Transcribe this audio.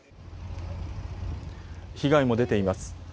被害も出ています。